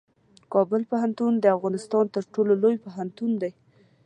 کابل پوهنتون د افغانستان تر ټولو لوی پوهنتون دی.